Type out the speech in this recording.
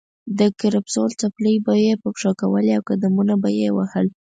د کرپسول څپلۍ یې په پښو کولې او قدمونه به یې وهل.